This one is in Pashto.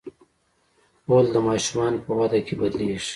غول د ماشومانو په وده کې بدلېږي.